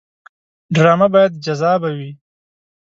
ډرامه باید جذابه وي